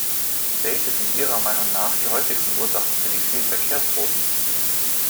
Welches sind Ihrer Meinung nach die häufigsten Ursachen für die vielen Verkehrstoten?